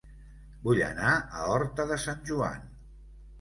Vull anar a Horta de Sant Joan